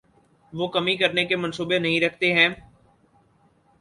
وہ کمی کرنے کے منصوبے نہیں رکھتے ہیں